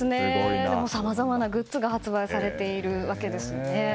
さまざまなグッズが発売されているわけですね。